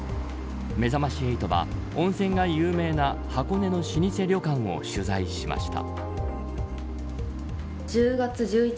めざまし８は温泉が有名な箱根の老舗旅館を取材しました。